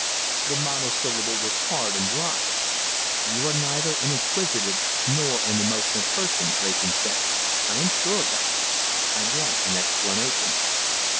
The monosyllable was hard and dry. "You are neither an inquisitive nor an emotional person," Wrayson said. "I am sure of that. I want an explanation."